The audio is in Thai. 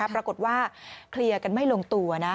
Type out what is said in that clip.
ปรากฏว่าเคลียร์กันไม่ลงตัวนะ